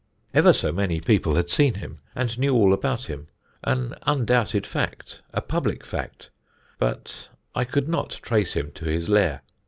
Ever so many people had seen him, and knew all about him; an undoubted fact, a public fact; but I could not trace him to his lair.